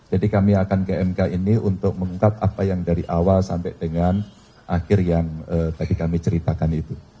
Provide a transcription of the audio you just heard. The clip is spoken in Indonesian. jadi kami akan ke mk ini untuk mengungkap apa yang dari awal sampai dengan akhir yang tadi kami ceritakan itu